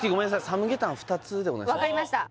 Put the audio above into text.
サムゲタン２つでお願いします